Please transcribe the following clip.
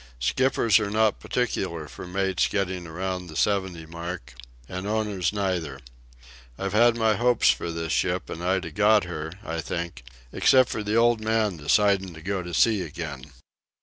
Skippers are not particular for mates getting around the seventy mark. And owners neither. I've had my hopes for this ship, and I'd a got her, I think, except for the old man decidin' to go to sea again.